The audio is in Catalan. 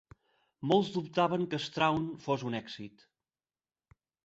Molts dubtaven que Strawn fos un èxit.